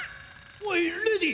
おいレディー！